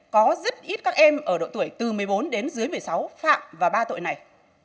có rất ít các em ở độ tuổi từ một mươi bốn đến dưới một mươi sáu phạm và ba tội này